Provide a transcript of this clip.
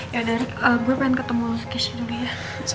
ya dari gue pengen ketemu lukish dulu ya